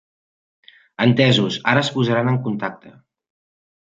Entesos, ara es posaran en contacte.